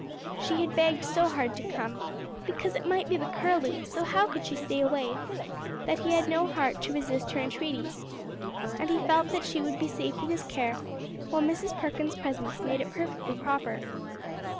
She had begged so hard to come, "because it might be the Curlew, so how could she stay away?" that he had no heart to resist her entreaties. And he felt that she would be safe in his care, while Mrs. Perkins' presence made it perfectly proper.